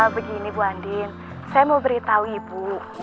begini bu andin saya mau beritahu ibu